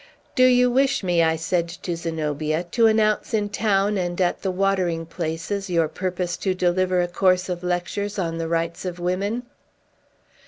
"Do you wish me," I said to Zenobia, "to announce in town, and at the watering places, your purpose to deliver a course of lectures on the rights of women?"